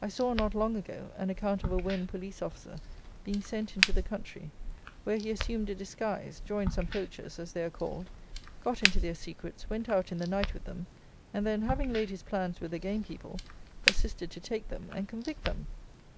I saw, not long ago, an account of a Wen police officer being sent into the country, where he assumed a disguise, joined some poachers (as they are called), got into their secrets, went out in the night with them, and then (having laid his plans with the game people) assisted to take them and convict them.